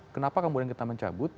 kenapa kemudian kita mencabut